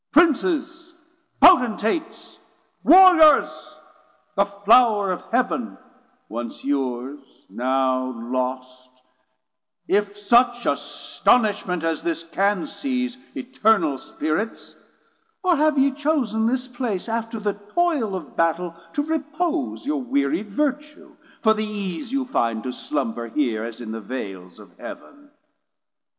Princes, Potentates, Warriers, the Flowr of Heav'n, once yours, now lost, If such astonishment as this can sieze Eternal spirits; or have ye chos'n this place After the toyl of Battel to repose Your wearied vertue, for the ease you find 320 To slumber here, as in the Vales of Heav'n?